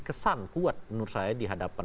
kesan kuat menurut saya di hadapan